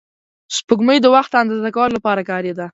سپوږمۍ د وخت اندازه کولو لپاره کارېده